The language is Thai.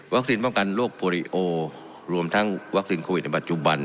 ป้องกันโรคโปรดิโอรวมทั้งวัคซีนโควิดในปัจจุบัน